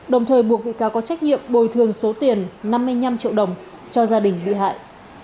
đồng thời buộc bị cáo có trách nhiệm bồi thường số tiền năm mươi năm triệu đồng cho gia đình bị hại